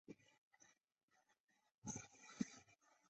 使用莫斯科时间。